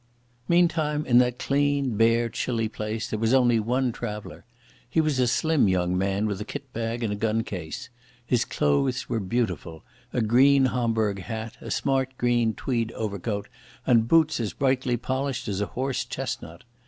Meantime in that clean, bare, chilly place there was only one traveller. He was a slim young man, with a kit bag and a gun case. His clothes were beautiful, a green Homburg hat, a smart green tweed overcoat, and boots as brightly polished as a horse chestnut.